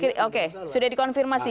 iya sudah dikonfirmasi